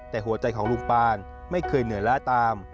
แต่หัวใจของลุงปานไม่เคยเหนือล้าตาม